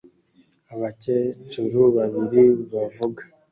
Abakecuru babiri bavuga